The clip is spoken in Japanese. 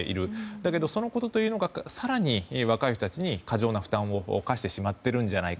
だけどそのことというのが更に若い人たちに過剰な負担を課してしまっているんじゃないか。